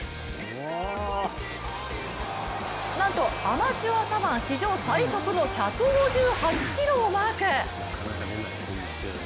なんとアマチュア左腕史上最速の１５８キロをマーク。